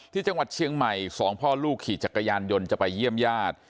ที่จังหวัดเชียงใหม่สองพ่อลูกขี่จักรยานยนต์จะไปเยี่ยมญาติ